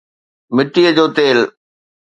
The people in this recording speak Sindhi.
مٽيءَ جو تيل